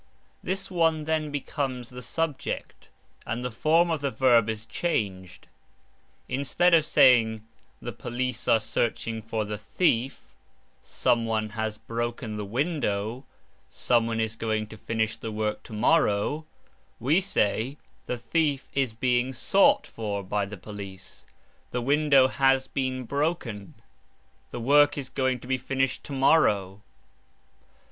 This one then becomes the subject, and the form of the Verb is changed. Instead of saying "The police are searching for the thief," "Someone has broken the window," "Someone is going to finish the work to morrow," we say "The thief is being sought for by the police," "The window has been broken," "The work is going to be finished to morrow."